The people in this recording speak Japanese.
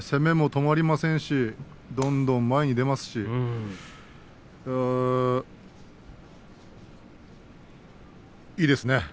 攻めも止まりませんしどんどん前に出ていますし、いいですね。